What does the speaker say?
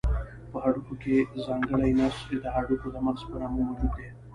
په هډوکو کې ځانګړی نسج د هډوکو د مغزو په نامه موجود دی.